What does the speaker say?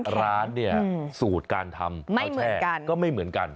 แต่ละร้านสูตรการทำข้าวแช่ก็ไม่เหมือนกัน